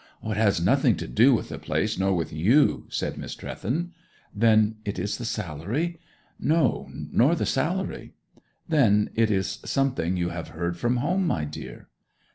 'It has nothing to do with the place, nor with you,' said Miss Trewthen. 'Then it is the salary?' 'No, nor the salary.' 'Then it is something you have heard from home, my dear.'